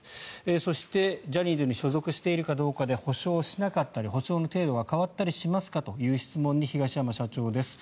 そしてジャニーズに所属しているかで補償しなかったり補償の程度が変わったりしますかという質問に対して東山社長です。